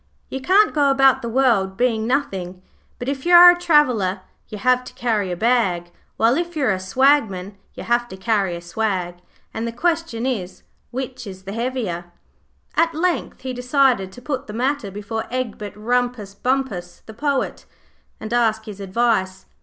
You can't go about the world being nothing, but if you are a traveller you have to carry a bag, while if you are a swagman you have to carry a swag, and the question is: Which is the heavier? At length he decided to put the matter before Egbert Rumpus Bumpus, the poet, and ask his advice.